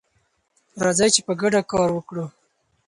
راځئ چې په ګډه کار وکړو.